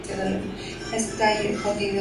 Ecstasy" con contenido adulto.